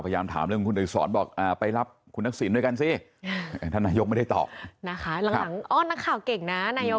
ผมก็ทำหน้าที่ของผมให้ดีที่สุดละกัน